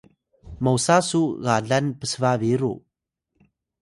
mosa su galan psba biru